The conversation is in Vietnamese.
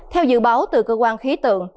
theo dự báo từ cơ quan khí tượng